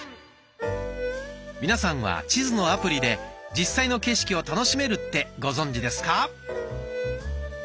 皆さんは地図のアプリで実際の景色を楽しめるってご存じですか？